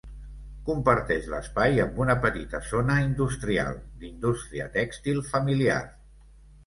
Comparteix l'espai amb una petita zona industrial, d'indústria tèxtil familiar.